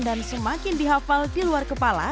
dan semakin dihafal di luar kepala